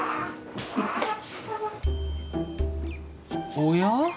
おや？